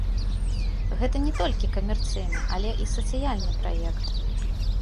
Гэта не толькі камерцыйны, але і сацыяльны праект.